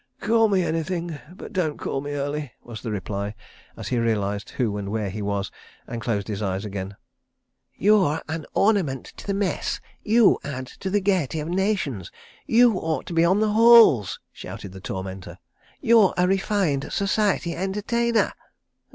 "Call me anything—but don't call me early," was the reply, as he realised who and where he was, and closed his eyes again. "You're an ornament to the Mess. You add to the gaiety of nations. You ought to be on the halls," shouted the tormentor. "You're a refined Society Entertainer.